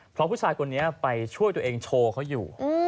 เพราะผู้ชายคนนี้ไปช่วยตัวเองโชว์เขาอยู่